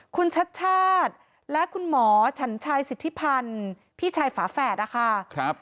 คุณชัดชาติและคุณหมอฉันชายสิทธิพันธ์พี่ชายฝาแฝดนะคะ